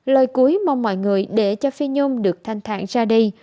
lời cuối mong mọi người để cho phi nhôm được thanh thản ra đi